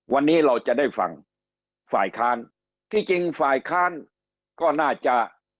วันนี้เราจะได้ฟังฝ่ายค้านที่จริงฝ่ายค้านก็น่าจะ